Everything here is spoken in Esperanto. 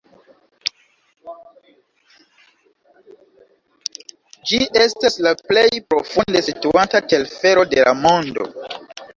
Ĝi estas la plej profunde situanta telfero de la mondo.